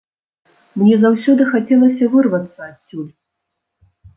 Мне заўсёды хацелася вырвацца адсюль.